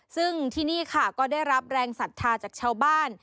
ซึ่งที่นี่ค่ะก็ได้รับแรงศรัทธาจากชาวบ้าน